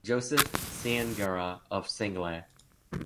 Joseph Ciangura of Senglea.